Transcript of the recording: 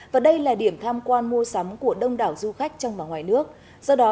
và đây là điểm tham quan mua sắm của đông đảo du khách trong và ngoài nước do đó